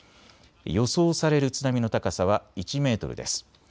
予想される津波の高さは１メートルです。